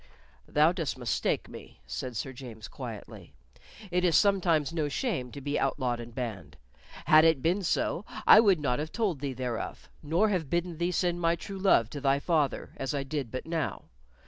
"Thou dost mistake me," said Sir James, quietly. "It is sometimes no shame to be outlawed and banned. Had it been so, I would not have told thee thereof, nor have bidden thee send my true love to thy father, as I did but now.